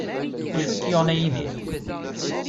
D acu i k-yuɣen a Yidir?